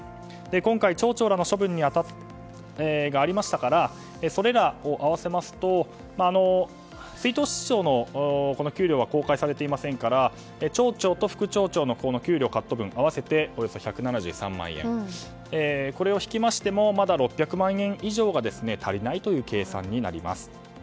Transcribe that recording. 今回、町長らの処分が発表されたんですが出納室長の給料は公開されていませんから町長と副町長の給料カット分合わせておよそ１７３万円これを引きましてもまだ６００万円以上が足りない計算になります。